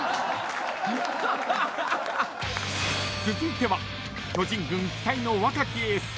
［続いては］